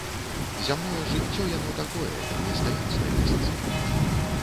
Зямное жыццё яно такое, не стаіць на месцы.